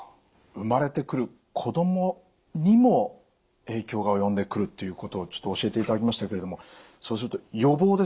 生まれてくる子供にも影響が及んでくるということをちょっと教えていただきましたけれどもそうすると予防ですね。